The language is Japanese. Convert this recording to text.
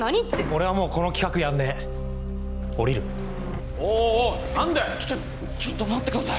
俺はもうこの企画やんねえ降りるおいおいおい何でちょっちょっと待ってください